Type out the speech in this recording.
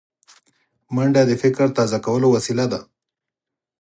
منډه د فکر تازه کولو وسیله ده